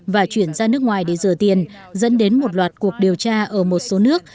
và chuyển ra nước ngoài để rửa tiền dẫn đến một loạt cuộc điều tra ở một số nước